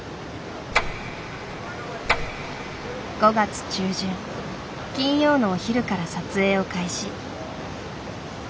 ５月中旬金曜のお昼から撮影を開始。